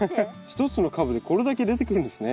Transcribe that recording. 一つの株でこれだけ出てくるんですね。